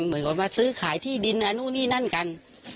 เหมือนกับว่าซื้อขายที่ดินนู่นนี่นั่นกัน